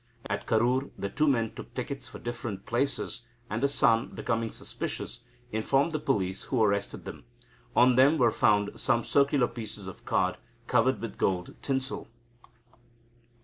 At Karur the two men took tickets for different places, and the son, becoming suspicious, informed the police, who arrested them. On them were found some circular pieces of card covered with gold tinsel.